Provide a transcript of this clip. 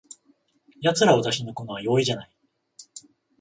やつらを出し抜くのは容易じゃない